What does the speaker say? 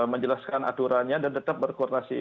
menjelaskan aturannya dan tetap berkoordinasi